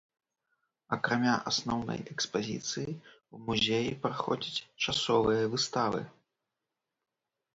Акрамя асноўнай экспазіцыі ў музеі праходзяць часовыя выставы.